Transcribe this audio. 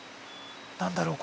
何だろう